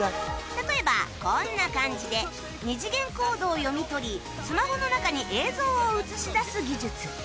例えばこんな感じで二次元コードを読み取りスマホの中に映像を映し出す技術